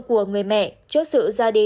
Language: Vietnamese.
của người mẹ trước sự ra đi